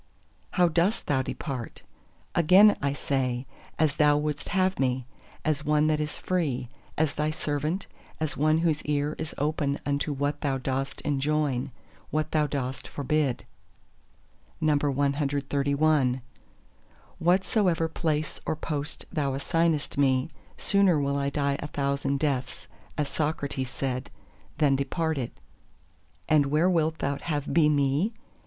"How dost thou depart?" Again I say, as Thou wouldst have me; as one that is free, as Thy servant, as one whose ear is open unto what Thou dost enjoin, what Thou dost forbid. CXXXII Whatsoever place or post Thou assignest me, sooner will I die a thousand deaths, as Socrates said, than desert it. And where wilt Thou have me to be?